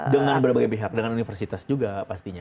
dengan berbagai pihak dengan universitas juga pastinya